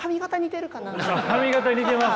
髪形似てます？